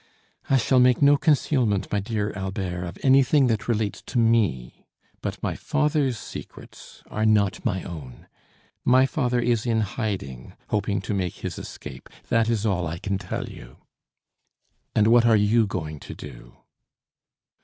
"I shall make no concealment, my dear Albert, of anything that relates to me. But my fathers secrets are not my own. My father is in hiding, hoping to make his escape. That is all I can tell you." "And what are you going to do?"